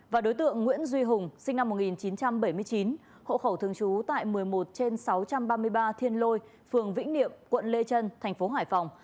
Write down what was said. và đối tượng nguyễn duy hùng sinh năm một nghìn chín trăm bảy mươi chín hộ khẩu thường trú tại một mươi một trên sáu trăm ba mươi ba thiên lôi phường vĩnh niệm quận lê trân thành phố hải phòng